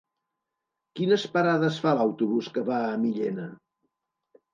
Quines parades fa l'autobús que va a Millena?